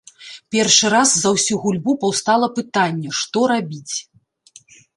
Першы раз за ўсю гульбу паўстала пытанне: што рабіць?